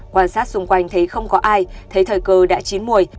quan sát xung quanh thấy không có ai thấy thời cơ đã chín mùi